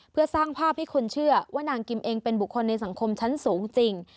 เพื่อสร้างภาพให้คนเชื่อว่านางกิมเองเป็นบุคคลในสังคมชั้นสูงจริง